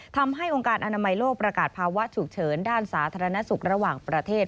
ทำให้องค์การอนามัยโลกประกาศภาวะฉุกเฉินด้านสาธารณสุขระหว่างประเทศ